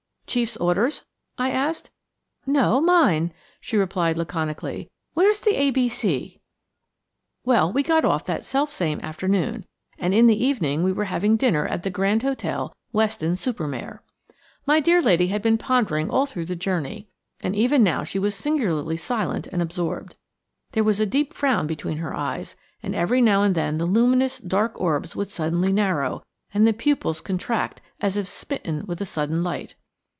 "Chief's orders?" I asked. "No–mine," she replied laconically. "Where's the A B C?" Well, we got off that self same afternoon, and in the evening we were having dinner at the Grand Hotel, Weston super Mare. My dear lady had been pondering all through the journey, and even now she was singularly silent and absorbed. There was a deep frown between her eyes, and every now and then the luminous, dark orbs would suddenly narrow, and the pupils contract as if smitten with a sudden light.